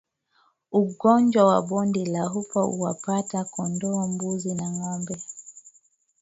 Ugonjwa wa bonde la ufa huwapata kondoo mbuzi na ngombe